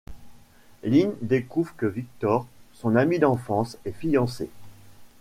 Lynn découvre que Viktor, son ami d'enfance, est fiancé.